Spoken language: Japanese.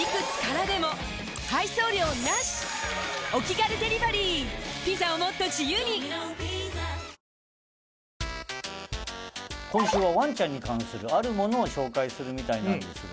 固定ファンちゃんと作って、今週はワンちゃんに関するあるものを紹介するみたいなんですが。